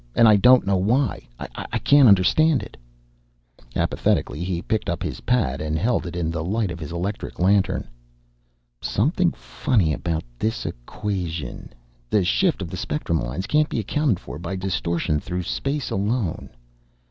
And I don't know why! I can't understand it!" Apathetically, he picked up his pad and held it in the light of his electric lantern. "Something funny about this equation. The shift of the spectrum lines can't be accounted for by distortion through space alone."